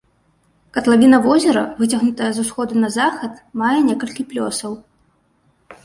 Катлавіна возера, выцягнутая з усходу на захад, мае некалькі плёсаў.